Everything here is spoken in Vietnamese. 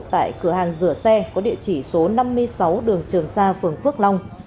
tại cửa hàng rửa xe có địa chỉ số năm mươi sáu đường trường sa phường phước long